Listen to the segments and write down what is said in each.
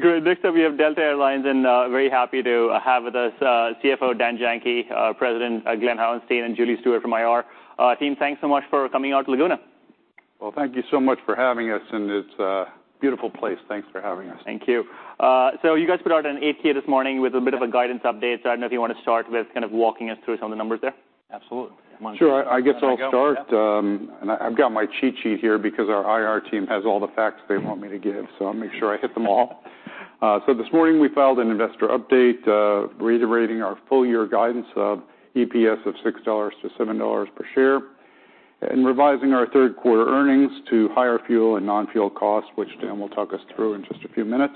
Good. Next up, we have Delta Air Lines, and very happy to have with us, CFO Dan Janki, our President, Glen Hauenstein, and Julie Stewart from IR. Team, thanks so much for coming out to Laguna. Well, thank you so much for having us, and it's a beautiful place. Thanks for having us. Thank you. So you guys put out an 8-K this morning with a bit of a guidance update. So I don't know if you want to start with kind of walking us through some of the numbers there? Absolutely. Sure. I guess I'll start. And I've got my cheat sheet here because our IR team has all the facts they want me to give, so I'll make sure I hit them all. So this morning we filed an investor update, reiterating our full year guidance of EPS of $6-$7 per share, and revising our third quarter earnings to higher fuel and non-fuel costs, which Dan will talk us through in just a few minutes.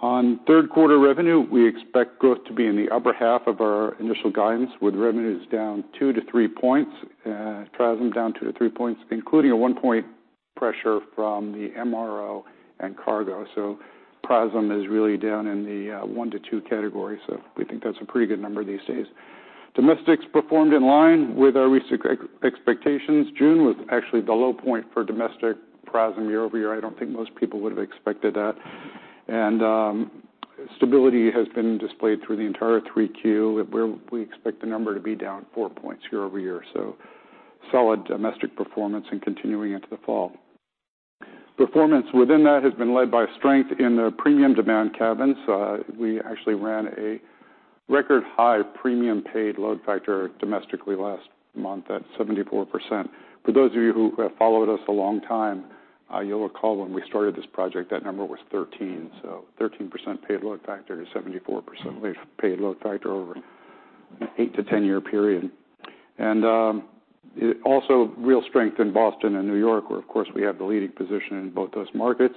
On third quarter revenue, we expect growth to be in the upper half of our initial guidance, with revenues down two to three points, PRASM down two-three points, including a one-point pressure from the MRO and cargo. So PRASM is really down in the one to two category, so we think that's a pretty good number these days. Domestics performed in line with our recent expectations. June was actually the low point for domestic PRASM year-over-year. I don't think most people would have expected that. Stability has been displayed through the entire 3Q, where we expect the number to be down four points year-over-year. Solid domestic performance and continuing into the fall. Performance within that has been led by strength in the premium demand cabins. We actually ran a record-high premium paid load factor domestically last month at 74%. For those of you who have followed us a long time, you'll recall when we started this project, that number was 13. So 13% paid load factor to 74% paid load factor over an 8-10-year period. Also real strength in Boston and New York, where, of course, we have the leading position in both those markets.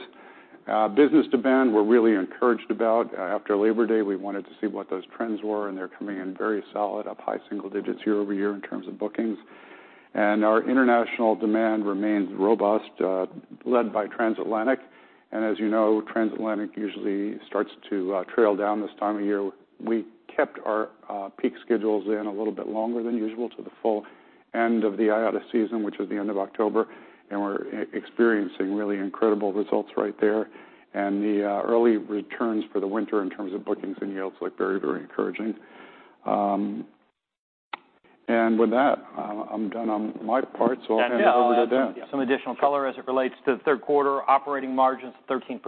Business demand, we're really encouraged about. After Labor Day, we wanted to see what those trends were, and they're coming in very solid, up high single digits year-over-year in terms of bookings. Our international demand remains robust, led by Transatlantic. And as you know, Transatlantic usually starts to trail down this time of year. We kept our peak schedules in a little bit longer than usual to the full end of the IATA season, which is the end of October, and we're experiencing really incredible results right there. And the early returns for the winter in terms of bookings and yields look very, very encouraging. With that, I'm done on my part, so I'll hand it over to Dan. Some additional color as it relates to the third quarter operating margins, 13%.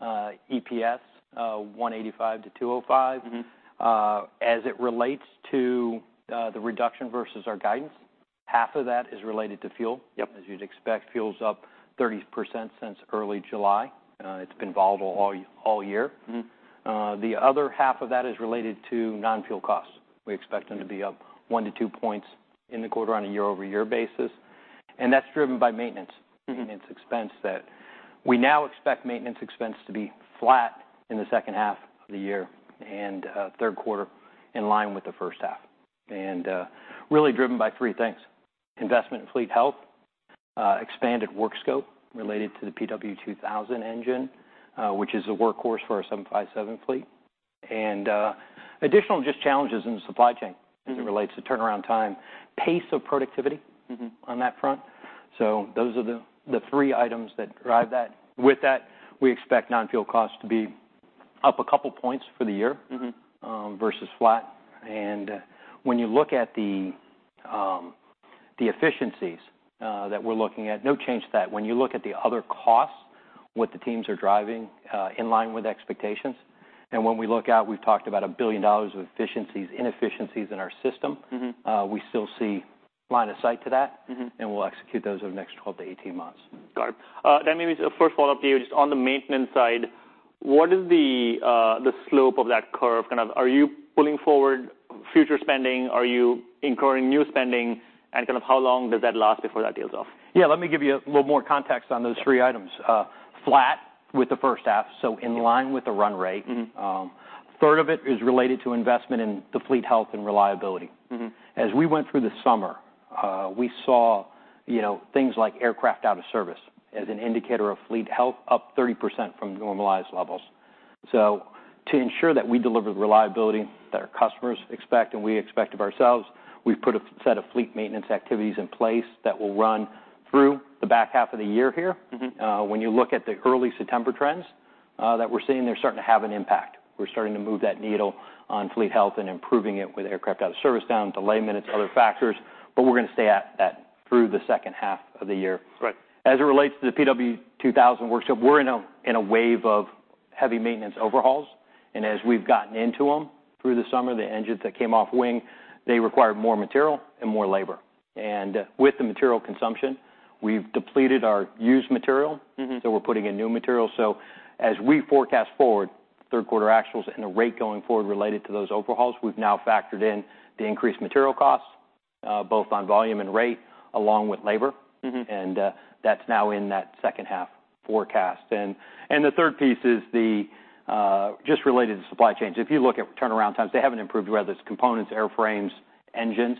EPS, $1.85-$2.05. Mm-hmm. As it relates to the reduction versus our guidance, half of that is related to fuel. Yep. As you'd expect, fuel's up 30% since early July. It's been volatile all year. Mm-hmm. The other half of that is related to non-fuel costs. We expect them to be up one to two points in the quarter on a year-over-year basis, and that's driven by maintenance- Mm-hmm.... maintenance expense, that we now expect maintenance expense to be flat in the second half of the year and, third quarter in line with the first half. Really driven by three things: investment in fleet health, expanded work scope related to the PW2000 engine, which is a workhorse for our 757 fleet, and, additional just challenges in the supply chain as it relates to turnaround time, pace of productivity- Mm-hmm.... on that front. So those are the three items that drive that. With that, we expect non-fuel costs to be up a couple points for the year- Mm-hmm.... versus flat. And when you look at the efficiencies that we're looking at, no change to that. When you look at the other costs, what the teams are driving, in line with expectations, and when we look out, we've talked about $1 billion of efficiencies, inefficiencies in our system. Mm-hmm. We still see line of sight to that- Mm-hmm.... and we'll execute those over the next 12-18 months. Got it. Maybe just a first follow-up to you. Just on the maintenance side, what is the slope of that curve? Kind of are you pulling forward future spending? Are you incurring new spending? And kind of how long does that last before that tails off? Yeah, let me give you a little more context on those three items. Flat with the first half, so in line with the run rate. Mm-hmm. Third of it is related to investment in the fleet health and reliability. Mm-hmm. As we went through the summer, we saw, you know, things like aircraft out of service as an indicator of fleet health, up 30% from normalized levels. So to ensure that we deliver the reliability that our customers expect and we expect of ourselves, we've put a set of fleet maintenance activities in place that will run through the back half of the year here. Mm-hmm. When you look at the early September trends that we're seeing, they're starting to have an impact. We're starting to move that needle on fleet health and improving it with aircraft out of service, down delay minutes, other factors, but we're going to stay at that through the second half of the year. Right. As it relates to the PW2000 work scope, we're in a wave of heavy maintenance overhauls, and as we've gotten into them through the summer, the engines that came off wing, they required more material and more labor. And with the material consumption, we've depleted our used material- Mm-hmm.... so we're putting in new material. As we forecast forward, third quarter actuals and the rate going forward related to those overhauls, we've now factored in the increased material costs, both on volume and rate, along with labor. Mm-hmm. That's now in that second half forecast. The third piece is just related to supply chains. If you look at turnaround times, they haven't improved, whether it's components, airframes, engines.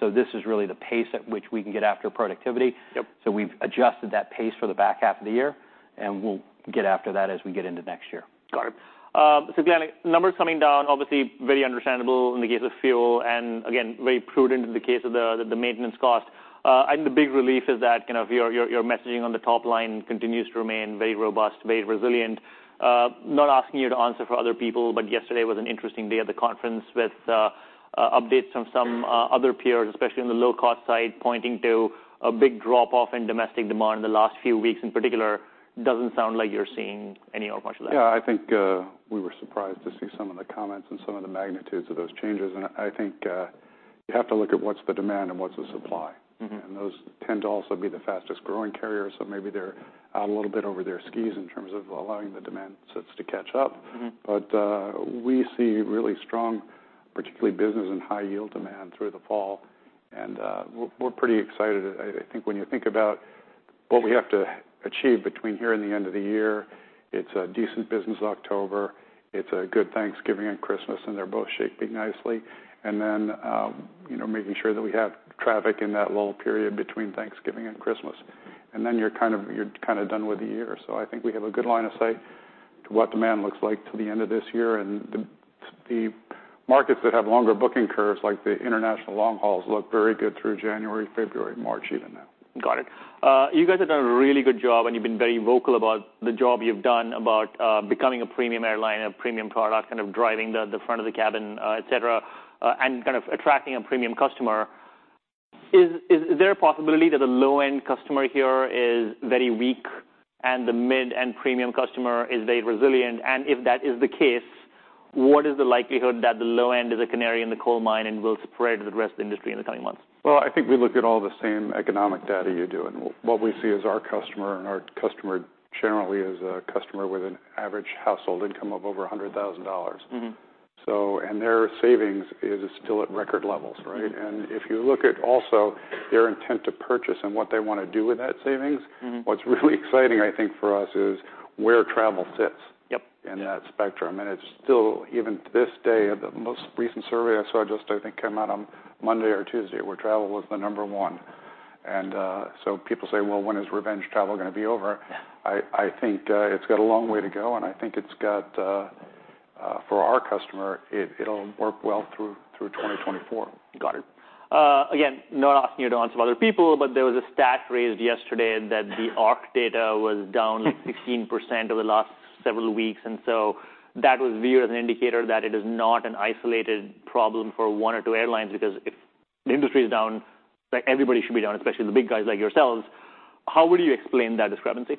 So this is really the pace at which we can get after productivity. Yep. We've adjusted that pace for the back half of the year, and we'll get after that as we get into next year. Got it. So again, numbers coming down, obviously very understandable in the case of fuel, and again, very prudent in the case of the maintenance cost... And the big relief is that, you know, your messaging on the top line continues to remain very robust, very resilient. Not asking you to answer for other people, but yesterday was an interesting day at the conference, with updates from some other peers, especially on the low-cost side, pointing to a big drop-off in domestic demand in the last few weeks, in particular. Doesn't sound like you're seeing any or much of that. Yeah, I think, we were surprised to see some of the comments and some of the magnitudes of those changes, and I think, you have to look at what's the demand and what's the supply. Mm-hmm. Those tend to also be the fastest growing carriers, so maybe they're out a little bit over their skis in terms of allowing the demand sets to catch up. Mm-hmm. But, we see really strong, particularly business and high-yield demand through the fall, and, we're pretty excited. I think when you think about what we have to achieve between here and the end of the year, it's a decent business October, it's a good Thanksgiving and Christmas, and they're both shaping nicely. And then, you know, making sure that we have traffic in that lull period between Thanksgiving and Christmas. And then you're kind of, you're kind of done with the year. So I think we have a good line of sight to what demand looks like till the end of this year, and the, the markets that have longer booking curves, like the international long hauls, look very good through January, February, March, even now. Got it. You guys have done a really good job, and you've been very vocal about the job you've done about becoming a premium airline, a premium product, kind of driving the front of the cabin, et cetera, and kind of attracting a premium customer. Is there a possibility that the low-end customer here is very weak and the mid and premium customer is very resilient? And if that is the case, what is the likelihood that the low end is a canary in the coal mine and will spread to the rest of the industry in the coming months? Well, I think we look at all the same economic data you do, and what we see is our customer, and our customer generally is a customer with an average household income of over $100,000. Mm-hmm. Their savings is still at record levels, right? Mm-hmm. And if you look at also their intent to purchase and what they want to do with that savings- Mm-hmm. What's really exciting, I think, for us, is where travel sits. Yep.... in that spectrum, and it's still, even to this day, at the most recent survey I saw just, I think, came out on Monday or Tuesday, where travel was the number one. And so people say: "Well, when is revenge travel gonna be over? Yeah. I think it's got a long way to go, and I think, for our customer, it'll work well through 2024. Got it. Again, not asking you to answer for other people, but there was a stat raised yesterday that the ARC data was down, like, 16% over the last several weeks, and so that was viewed as an indicator that it is not an isolated problem for one or two airlines, because if the industry is down, like, everybody should be down, especially the big guys like yourselves. How would you explain that discrepancy?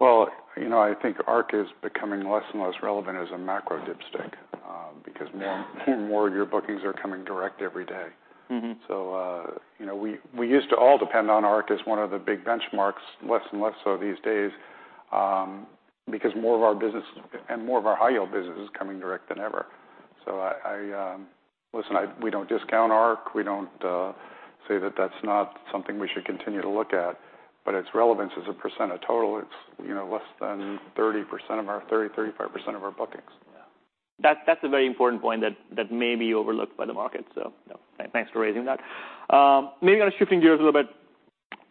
Well, you know, I think ARC is becoming less and less relevant as a macro dipstick, because more and more year bookings are coming direct every day. Mm-hmm. So, you know, we, we used to all depend on ARC as one of the big benchmarks, less and less so these days, because more of our business and more of our high-yield business is coming direct than ever. So I, I... Listen, we don't discount ARC, we don't say that that's not something we should continue to look at, but its relevance as a percent of total, it's, you know, less than 30% of our 30%-35% of our bookings. Yeah. That's, that's a very important point that, that may be overlooked by the market, so yeah, thanks for raising that. Maybe kind of shifting gears a little bit.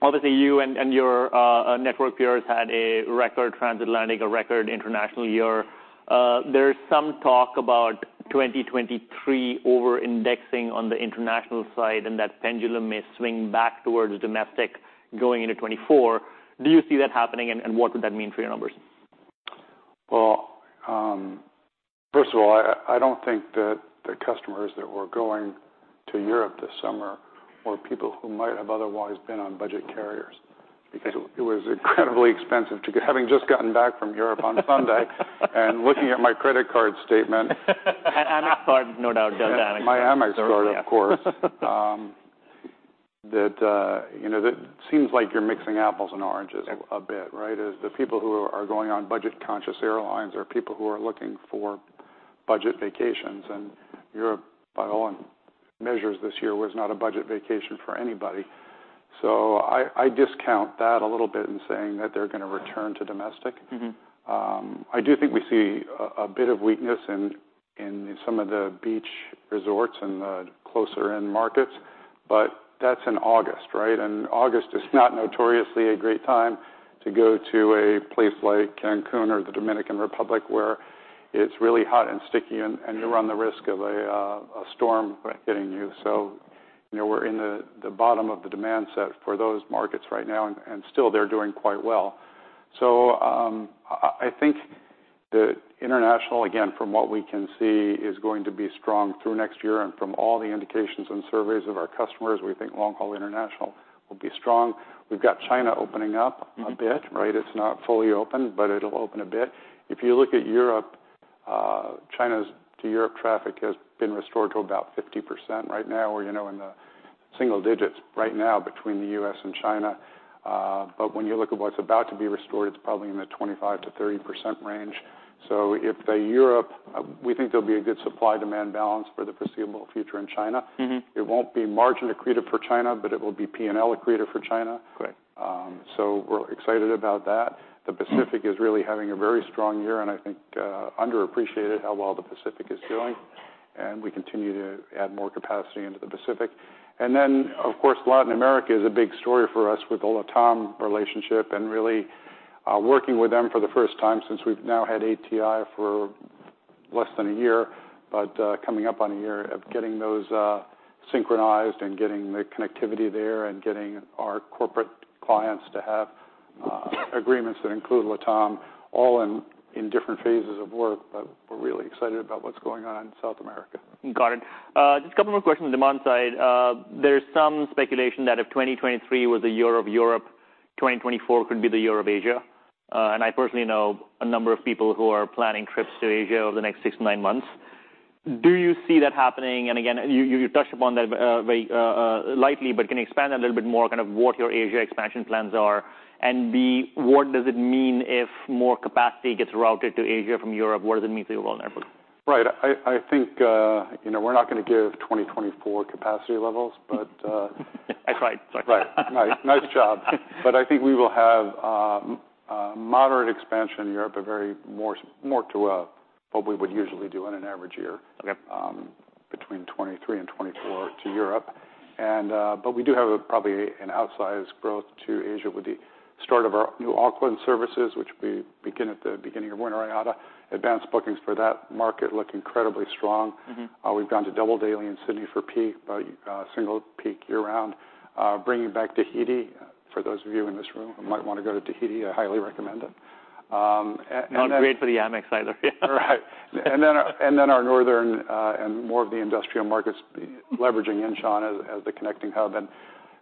Obviously, you and, and your network peers had a record transatlantic, a record international year. There is some talk about 2023 over-indexing on the international side, and that pendulum may swing back towards domestic going into 2024. Do you see that happening, and, and what would that mean for your numbers? Well, first of all, I don't think that the customers that were going to Europe this summer were people who might have otherwise been on budget carriers, because it was incredibly expensive to, having just gotten back from Europe on Sunday, and looking at my credit card statement. An Amex card, no doubt. That Amex card. My Amex card, of course. You know, that seems like you're mixing apples and oranges a bit, right? Yep. It's the people who are going on budget-conscious airlines are people who are looking for budget vacations, and Europe, by all measures this year, was not a budget vacation for anybody. So I, I discount that a little bit in saying that they're gonna return to domestic. Mm-hmm. I do think we see a bit of weakness in some of the beach resorts and the closer-in markets, but that's in August, right? And August is not notoriously a great time to go to a place like Cancún or the Dominican Republic, where it's really hot and sticky, and you run the risk of a storm hitting you. So, you know, we're in the bottom of the demand set for those markets right now, and still, they're doing quite well. So, I think that international, again, from what we can see, is going to be strong through next year. And from all the indications and surveys of our customers, we think long-haul international will be strong. We've got China opening up a bit, right? Mm-hmm. It's not fully open, but it'll open a bit. If you look at Europe, China's to Europe traffic has been restored to about 50% right now, or, you know, in the single digits right now between the U.S. and China. But when you look at what's about to be restored, it's probably in the 25%-30% range. So if the Europe, we think there'll be a good supply-demand balance for the foreseeable future in China. Mm-hmm. It won't be margin accretive for China, but it will be P&L accretive for China. Great. We're excited about that. Mm-hmm. The Pacific is really having a very strong year, and I think, underappreciated, how well the Pacific is doing, and we continue to add more capacity into the Pacific. And then, of course, Latin America is a big story for us with the LATAM relationship and really, working with them for the first time since we've now had ATI for less than a year, but, coming up on a year of getting those, synchronized and getting the connectivity there and getting our corporate clients to have, agreements that include LATAM, all in different phases of work. But we're really excited about what's going on in South America. Got it. Just a couple more questions on demand side. There's some speculation that if 2023 was the year of Europe, 2024 could be the year of Asia. And I personally know a number of people who are planning trips to Asia over the next six, nine months. Do you see that happening? And again, you touched upon that very lightly, but can you expand on a little bit more kind of what your Asia expansion plans are? And B, what does it mean if more capacity gets routed to Asia from Europe? What does it mean for your network? Right. I think, you know, we're not going to give 2024 capacity levels, but, That's right. Right. Nice, nice job. But I think we will have moderate expansion in Europe, a very more, more to what we would usually do in an average year- Okay.... between 2023 and 2024 to Europe. And, but we do have probably an outsized growth to Asia with the start of our new Auckland services, which we begin at the beginning of winter IATA. Advanced bookings for that market look incredibly strong. Mm-hmm. We've gone to double daily in Sydney for peak, but single peak year-round. Bringing back Tahiti, for those of you in this room who might want to go to Tahiti, I highly recommend it. Not great for the Amex either. Right. And then, and then our northern, and more of the industrial markets, leveraging Incheon as, as the connecting hub. And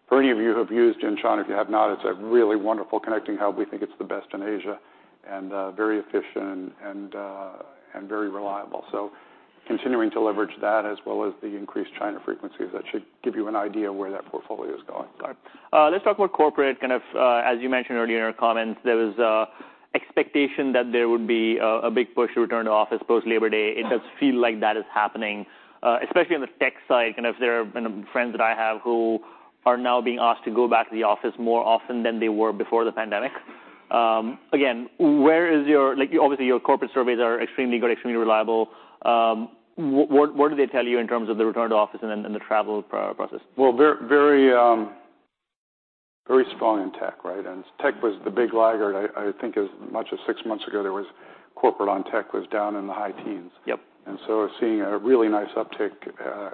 for any of you who have used Incheon, if you have not, it's a really wonderful connecting hub. We think it's the best in Asia, and, and very efficient and, and very reliable. So continuing to leverage that as well as the increased China frequencies, that should give you an idea of where that portfolio is going. Got it. Let's talk about corporate. Kind of, as you mentioned earlier in your comments, there was a expectation that there would be a big push to return to office post-Labor Day. It does feel like that is happening, especially on the tech side, and if there are friends that I have who are now being asked to go back to the office more often than they were before the pandemic. Again, where is your—like, obviously, your corporate surveys are extremely good, extremely reliable. What do they tell you in terms of the return to office and then the travel process? Well, very, very, very strong in tech, right? And tech was the big laggard. I think as much as six months ago, there was corporate on tech was down in the high teens. Yep. And so we're seeing a really nice uptick,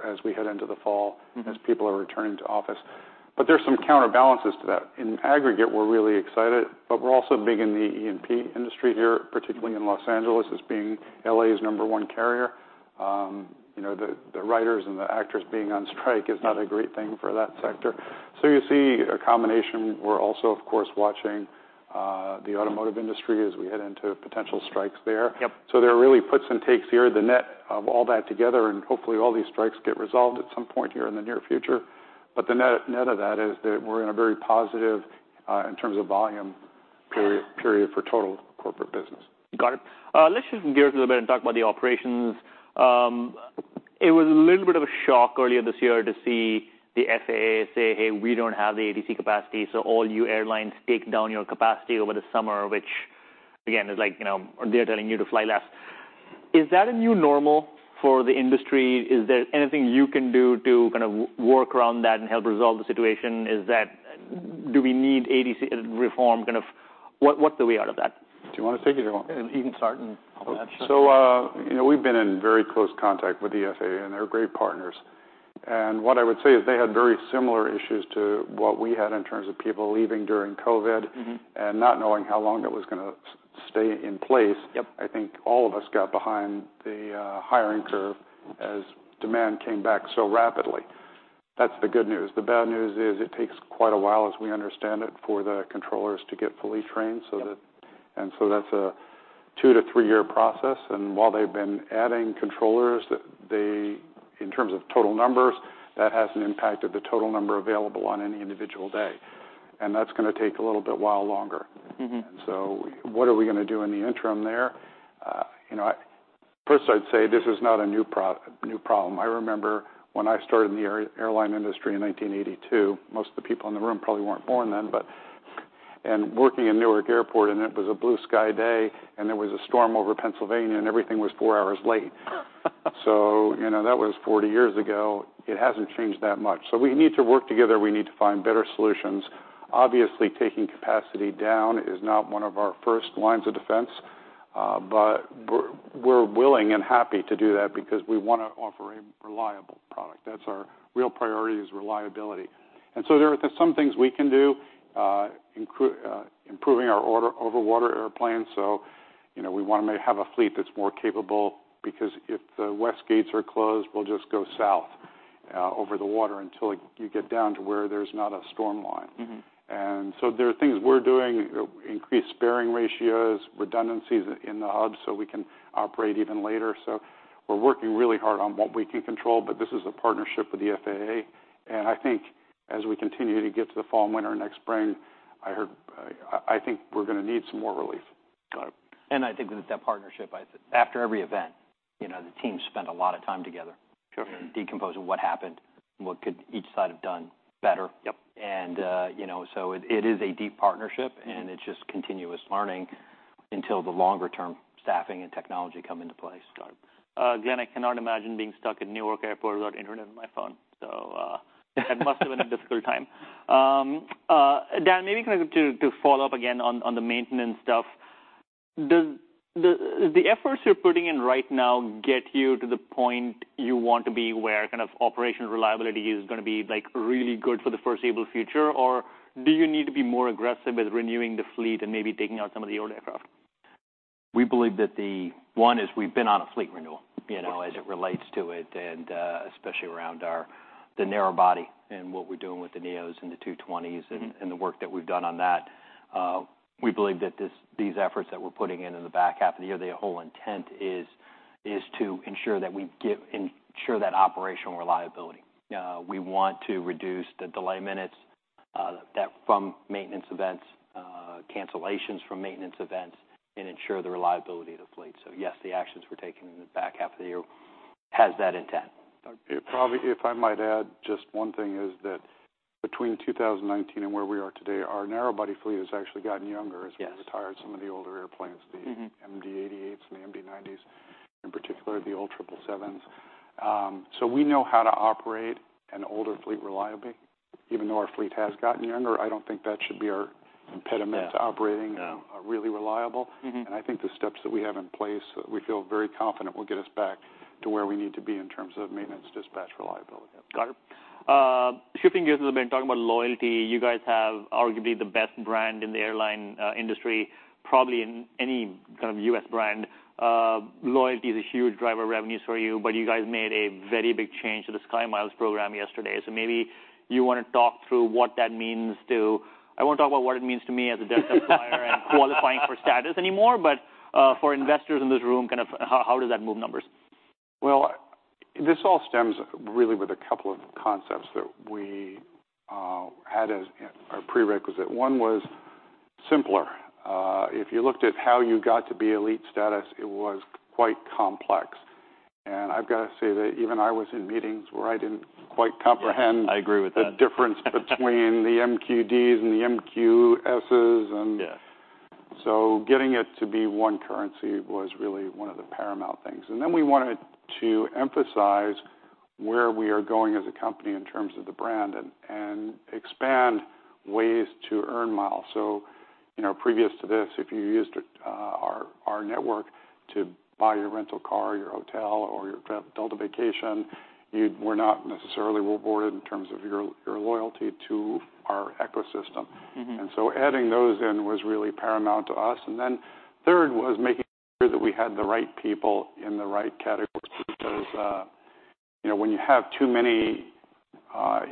as we head into the fall- Mm-hmm.... as people are returning to office. But there's some counterbalances to that. In aggregate, we're really excited, but we're also big in the E&P industry here, particularly in Los Angeles, as being LA's number one carrier. You know, the writers and the actors being on strike is not a great thing for that sector. So you see a combination. We're also, of course, watching the automotive industry as we head into potential strikes there. Yep. So there are really puts and takes here, the net of all that together, and hopefully, all these strikes get resolved at some point here in the near future. But the net, net of that is that we're in a very positive, in terms of volume period, period for total corporate business. Got it. Let's shift gears a little bit and talk about the operations. It was a little bit of a shock earlier this year to see the FAA say, "Hey, we don't have the ATC capacity, so all you airlines take down your capacity over the summer," which again, is like, you know, they're telling you to fly less. Is that a new normal for the industry? Is there anything you can do to kind of work around that and help resolve the situation? Is that? Do we need ATC reform? Kind of, what, what's the way out of that? Do you want to take it or you want- You can start, and I'll add. You know, we've been in very close contact with the FAA, and they're great partners. What I would say is they had very similar issues to what we had in terms of people leaving during COVID- Mm-hmm.... and not knowing how long it was gonna stay in place. Yep. I think all of us got behind the hiring curve as demand came back so rapidly. That's the good news. The bad news is it takes quite a while, as we understand it, for the controllers to get fully trained so that- Yep.... And so that's a two to three year process, and while they've been adding controllers, they, in terms of total numbers, that hasn't impacted the total number available on any individual day, and that's gonna take a little bit while longer. Mm-hmm. So what are we gonna do in the interim there? You know, first, I'd say this is not a new problem. I remember when I started in the airline industry in 1982, most of the people in the room probably weren't born then, but... And working in Newark Airport, and it was a blue sky day, and there was a storm over Pennsylvania, and everything was four hours late. So, you know, that was 40 years ago. It hasn't changed that much. So we need to work together. We need to find better solutions. Obviously, taking capacity down is not one of our first lines of defense, but we're willing and happy to do that because we want to offer a reliable product. That's our real priority, is reliability. So there are some things we can do, including improving our order, over-water airplanes. So, you know, we want to may have a fleet that's more capable, because if the West gates are closed, we'll just go south, over the water until you get down to where there's not a storm line. Mm-hmm. There are things we're doing, increased sparing ratios, redundancies in the hub, so we can operate even later. So we're working really hard on what we can control, but this is a partnership with the FAA, and I think as we continue to get to the fall and winter, next spring, I think we're gonna need some more relief. Got it. I think that it's that partnership. After every event, you know, the team spent a lot of time together- Sure.... decomposing what happened and what could each side have done better. Yep. You know, so it is a deep partnership, and it's just continuous learning until the longer-term staffing and technology come into play. Got it. Again, I cannot imagine being stuck in Newark Airport without internet on my phone, so that must have been a difficult time. Dan, maybe kind of to follow up again on the maintenance stuff. Does the efforts you're putting in right now get you to the point you want to be, where kind of operational reliability is gonna be, like, really good for the foreseeable future? Or do you need to be more aggressive with renewing the fleet and maybe taking out some of the older aircraft? We believe that the one is we've been on a fleet renewal, you know, as it relates to it, and especially around our the narrow body and what we're doing with the NEOs and the 220s- Mm-hmm. And the work that we've done on that. We believe that these efforts that we're putting in the back half of the year, the whole intent is to ensure that we give ensure that operational reliability. We want to reduce the delay minutes that from maintenance events, cancellations from maintenance events, and ensure the reliability of the fleet. So yes, the actions we're taking in the back half of the year has that intent. It probably- If I might add, just one thing, is that between 2019 and where we are today, our narrow body fleet has actually gotten younger- Yes. as we retired some of the older airplanes. Mm-hmm. The MD-88s and the MD-90s, in particular, the old 777s. So we know how to operate an older fleet reliably. Even though our fleet has gotten younger, I don't think that should be our impediment- No. -to operating, really reliable. Mm-hmm. I think the steps that we have in place, we feel very confident will get us back to where we need to be in terms of maintenance, dispatch, reliability. Got it. Shifting gears a little bit, talking about loyalty. You guys have arguably the best brand in the airline industry, probably in any kind of U.S. brand. Loyalty is a huge driver of revenues for you, but you guys made a very big change to the SkyMiles program yesterday. So maybe you wanna talk through what that means to... I won't talk about what it means to me as a frequent flyer - and qualifying for status anymore, but, for investors in this room, kind of how does that move numbers? Well, this all stems really with a couple of concepts that we had as a prerequisite. One was simpler. If you looked at how you got to be elite status, it was quite complex. And I've got to say that even I was in meetings where I didn't quite comprehend- Yes, I agree with that. the difference between the MQDs and the MQSs and Yes. So getting it to be one currency was really one of the paramount things. And then we wanted to emphasize where we are going as a company in terms of the brand and expand ways to earn miles. So, you know, previous to this, if you used our network to buy your rental car, your hotel, or your Delta vacation, you were not necessarily rewarded in terms of your loyalty to our ecosystem. Mm-hmm. And so adding those in was really paramount to us. And then third was making sure that we had the right people in the right categories, because, you know, when you have too many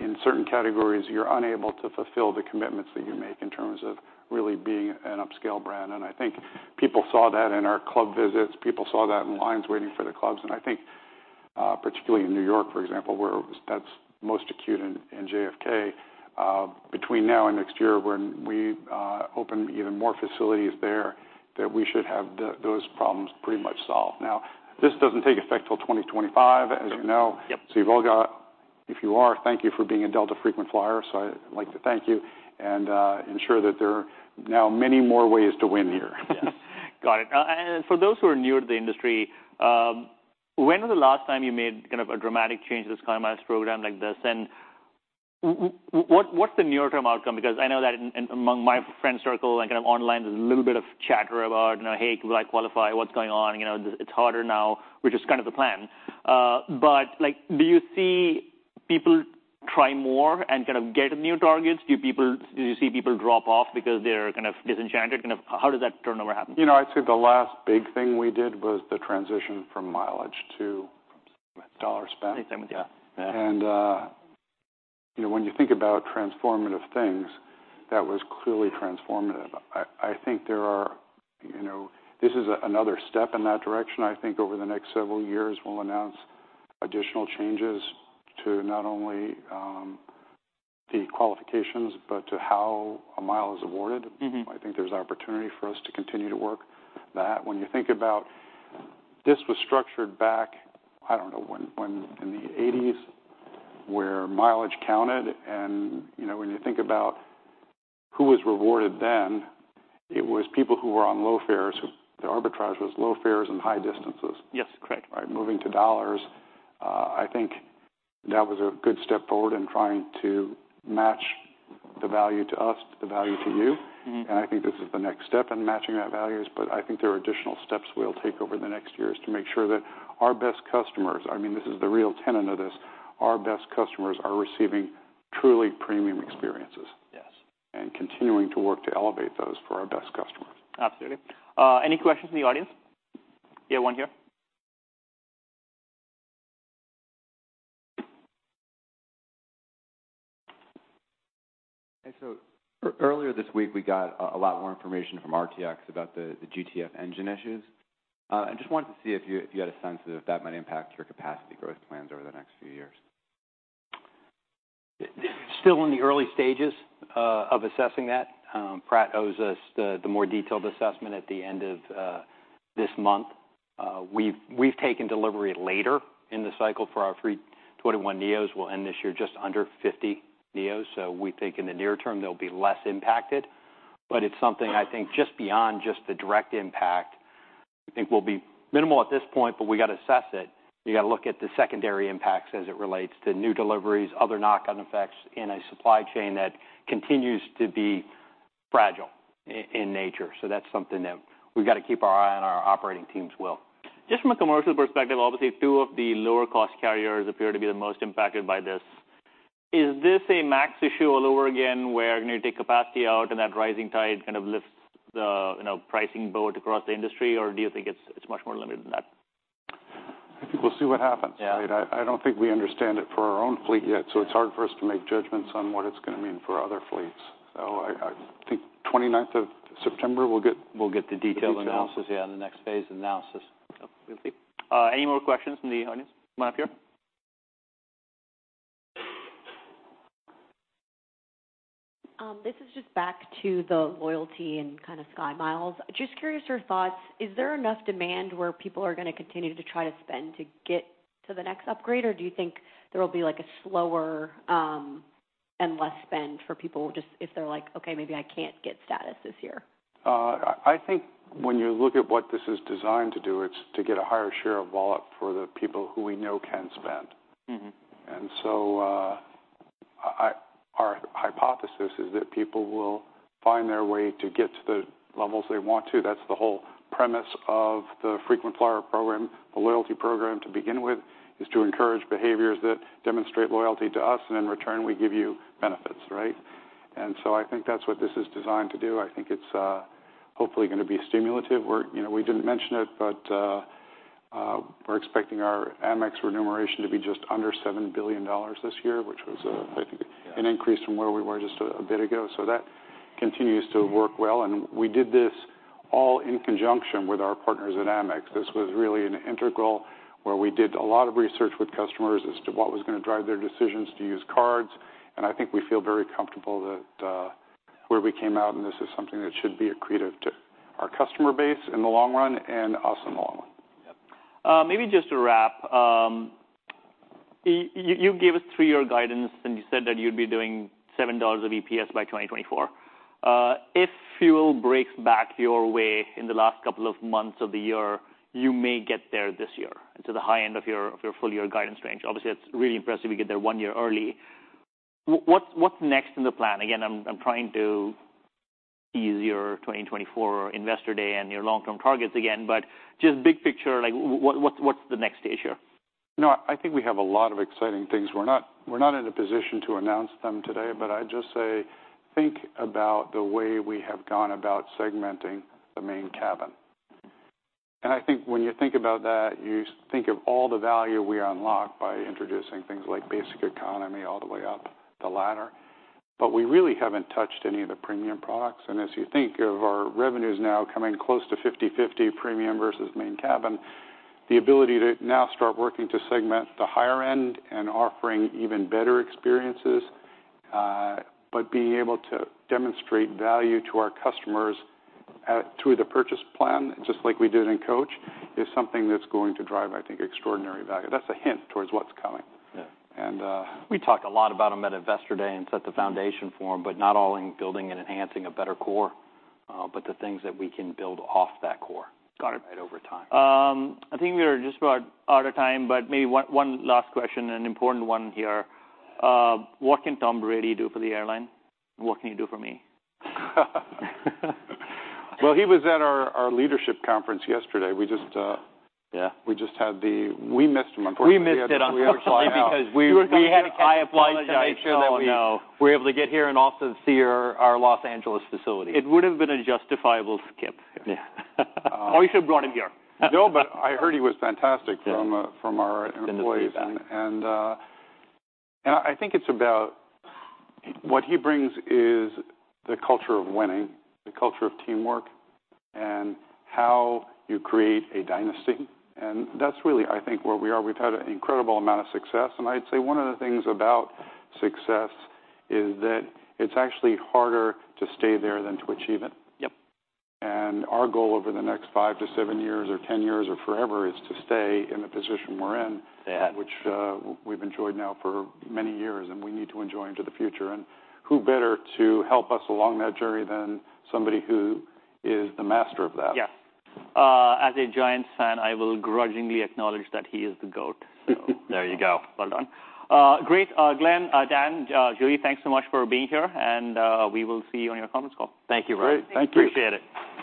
in certain categories, you're unable to fulfill the commitments that you make in terms of really being an upscale brand. And I think people saw that in our club visits. People saw that in lines waiting for the clubs. And I think, particularly in New York, for example, where that's most acute, in JFK, between now and next year, when we open even more facilities there, that we should have those problems pretty much solved. Now, this doesn't take effect till 2025, as you know. Yep. If you are, thank you for being a Delta frequent flyer. So I'd like to thank you and ensure that there are now many more ways to win here. Yes. Got it. And for those who are newer to the industry, when was the last time you made kind of a dramatic change to the SkyMiles program like this? And what's the near-term outcome? Because I know that in among my friend circle and kind of online, there's a little bit of chatter about, you know, "Hey, will I qualify? What's going on? You know, it's harder now," which is kind of the plan. But like, do you see people try more and kind of get new targets? Do you see people drop off because they're kind of disenchanted? Kind of, how does that turnover happen? You know, I'd say the last big thing we did was the transition from mileage to dollar spend. Same with you. Yeah. You know, when you think about transformative things, that was clearly transformative. I think there are... You know, this is another step in that direction. I think over the next several years, we'll announce additional changes to not only the qualifications, but to how a mile is awarded. Mm-hmm. I think there's opportunity for us to continue to work that. When you think about this, it was structured back, I don't know, when in the eighties, where mileage counted, and, you know, when you think about who was rewarded then, it was people who were on low fares. The arbitrage was low fares and high distances. Yes, correct. By moving to dollars, I think that was a good step forward in trying to match the value to us, the value to you. Mm-hmm. I think this is the next step in matching that value. I think there are additional steps we'll take over the next years to make sure that our best customers, I mean, this is the real tenet of this, our best customers are receiving truly premium experiences. Yes. Continuing to work to elevate those for our best customers. Absolutely. Any questions in the audience? Yeah, one here. So earlier this week, we got a lot more information from RTX about the GTF engine issues. I just wanted to see if you had a sense of if that might impact your capacity growth plans over the next few years? Still in the early stages of assessing that. Pratt owes us the more detailed assessment at the end of this month. We've taken delivery later in the cycle for our 321 NEOs. We'll end this year just under 50 NEOs, so we think in the near term they'll be less impacted. But it's something I think just beyond just the direct impact. I think will be minimal at this point, but we got to assess it. You got to look at the secondary impacts as it relates to new deliveries, other knock-on effects in a supply chain that continues to be fragile in nature. So that's something that we've got to keep our eye on, and our operating teams will. Just from a commercial perspective, obviously, two of the lower-cost carriers appear to be the most impacted by this. Is this a max issue all over again, where when you take capacity out and that rising tide kind of lifts the, you know, pricing boat across the industry, or do you think it's much more limited than that? I think we'll see what happens. Yeah. I don't think we understand it for our own fleet yet, so it's hard for us to make judgments on what it's going to mean for other fleets. So I think twenty-ninth of September, we'll get- We'll get the detailed analysis. Yeah, the next phase analysis. Yep. Any more questions from the audience? One up here. This is just back to the loyalty and kind of SkyMiles. Just curious your thoughts, is there enough demand where people are going to continue to try to spend to get to the next upgrade, or do you think there will be, like, a slower, and less spend for people just if they're like: "Okay, maybe I can't get status this year? I think when you look at what this is designed to do, it's to get a higher share of wallet for the people who we know can spend. Mm-hmm. Our hypothesis is that people will find their way to get to the levels they want to. That's the whole premise of the frequent flyer program. The loyalty program, to begin with, is to encourage behaviors that demonstrate loyalty to us, and in return, we give you benefits, right? I think that's what this is designed to do. I think it's hopefully going to be stimulative. We're you know, we didn't mention it, but, we're expecting our Amex remuneration to be just under $7 billion this year, which was, I think, an increase from where we were just a bit ago. That continues to work well, and we did this all in conjunction with our partners at Amex. This was really an integral where we did a lot of research with customers as to what was going to drive their decisions to use cards. I think we feel very comfortable that where we came out, and this is something that should be accretive to our customer base in the long run and us in the long run. Yep. Maybe just to wrap, you gave us three-year guidance, and you said that you'd be doing $7 of EPS by 2024. If fuel breaks back your way in the last couple of months of the year, you may get there this year to the high end of your full-year guidance range. Obviously, it's really impressive you get there one year early. What's next in the plan? Again, I'm trying to ease your 2024 Investor Day and your long-term targets again, but just big picture, like, what's the next stage here? No, I think we have a lot of exciting things. We're not, we're not in a position to announce them today, but I'd just say, think about the way we have gone about segmenting the main cabin. I think when you think about that, you think of all the value we unlocked by introducing things like basic economy all the way up the ladder. We really haven't touched any of the premium products. As you think of our revenues now coming close to 50/50, premium versus main cabin, the ability to now start working to segment the higher end and offering even better experiences, but being able to demonstrate value to our customers through the purchase plan, just like we did in Coach, is something that's going to drive, I think, extraordinary value. That's a hint towards what's coming. Yeah. And, uh- We talked a lot about them at Investor Day and set the foundation for them, but not all in building and enhancing a better core, but the things that we can build off that core- Got it.. right over time. I think we are just about out of time, but maybe one last question, an important one here. What can Tom Brady do for the airline? What can he do for me? Well, he was at our leadership conference yesterday. We just Yeah. We missed him, unfortunately. We missed it on purpose. We had to fly out. Because we had- I applied to make sure that we- Oh, no. We're able to get here and also see our Los Angeles facility. It would have been a justifiable skip. Yeah. Or you should have brought him here. No, but I heard he was fantastic- Yeah. -from our employees. In the feedback. And I think it's about what he brings is the culture of winning, the culture of teamwork, and how you create a dynasty. And that's really, I think, where we are. We've had an incredible amount of success, and I'd say one of the things about success is that it's actually harder to stay there than to achieve it. Yep. Our goal over the next five to seven years or 10 years or forever is to stay in the position we're in- Yeah. -which, we've enjoyed now for many years, and we need to enjoy into the future. And who better to help us along that journey than somebody who is the master of that? Yes. As a Giants fan, I will grudgingly acknowledge that he is the GOAT. There you go. Well done. Great. Glen, Dan, Julie, thanks so much for being here, and we will see you on your conference call. Thank you, Roy. Great. Thank you. Appreciate it.